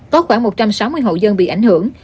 có khoảng một trăm sáu mươi hộ dân bị ảnh hưởng